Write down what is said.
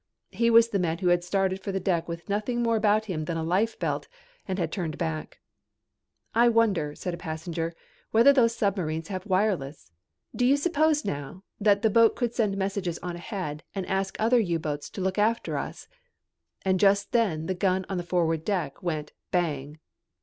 He was the man who had started for the deck with nothing more about him than a lifebelt and had been turned back. "I wonder," said a passenger, "whether those submarines have wireless? Do you suppose now that boat could send messages on ahead and ask other U boats to look after us?" And just then the gun on the forward deck went "Bang."